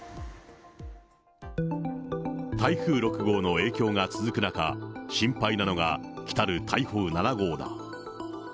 台風６号の影響が続く中、心配なのがきたる台風７号だ。